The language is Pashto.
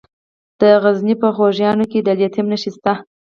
د غزني په خوږیاڼو کې د لیتیم نښې شته.